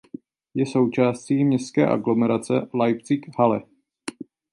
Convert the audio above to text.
Je součástí městské aglomerace Leipzig–Halle.